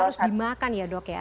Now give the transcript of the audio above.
sayur tetap harus dimakan ya dok ya